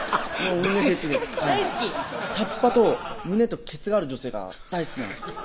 タッパと胸とケツがある女性が大好きなんです